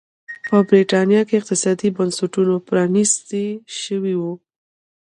په برېټانیا کې اقتصادي بنسټونه پرانيستي شوي وو.